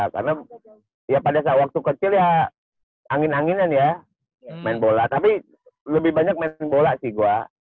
karena ya pada saat waktu kecil ya angin anginan ya main bola tapi lebih banyak main bola sih gua